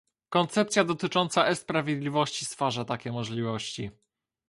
Koncepcja dotycząca e-sprawiedliwości stwarza takie możliwości